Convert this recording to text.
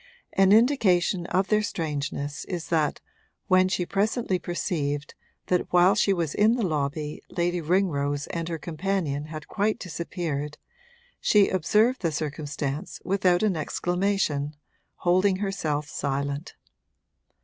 An indication of their strangeness is that when she presently perceived that while she was in the lobby Lady Ringrose and her companion had quite disappeared, she observed the circumstance without an exclamation, holding herself silent.